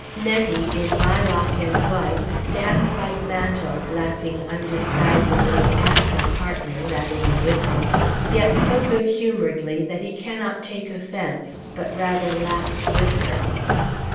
Nettie, in lilac and white, stands by the mantel laughing undisguisedly at her partner, rather than with him, yet so good humoredly that he cannot take offense, but rather laughs with her.